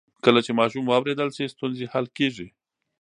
کله چې ماشوم واورېدل شي، ستونزې حل کېږي.